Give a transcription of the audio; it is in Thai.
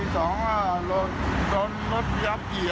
ตาย